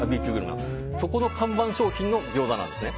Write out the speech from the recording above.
そこの看板商品のギョーザなんですね。